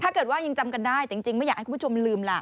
ยังจำกันได้แต่จริงไม่อยากให้คุณผู้ชมลืมล่ะ